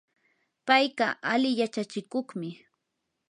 payqa ali yachachikuqmi.